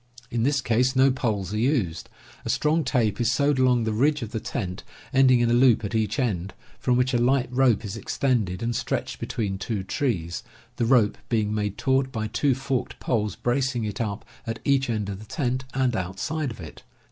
In this case no poles are used. A strong tape is sewed along the ridge of the tent, ending in a loop at each end, from which a light rope is extended and stretched between two trees, the rope being made taut by two forked poles bracing it up at each end of the tent, and outside of it.